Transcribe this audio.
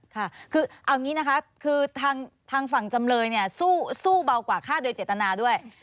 ค่ะคือเอาอย่างนี้นะคะคือทางฝั่งจำเลยเนี่ยสู้เบากว่าฆ่าโดยเจตนาด้วย